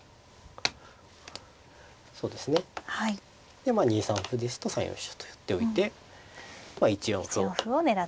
でまあ２三歩ですと３四飛車と寄っておいて１四歩を狙って。